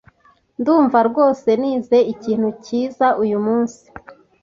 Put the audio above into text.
Ndumva rwose nize ikintu cyiza uyumunsi .